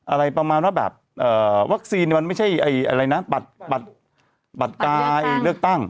อะไรประมาณว่าแบบวัคซีนมันไม่ใช่อะไรนะบัตรกายเลือกตั้ง